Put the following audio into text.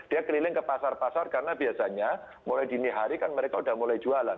dia keliling ke pasar pasar karena biasanya mulai dini hari kan mereka sudah mulai jualan